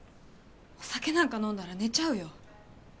お酒なんか飲んだら寝ちゃうよ！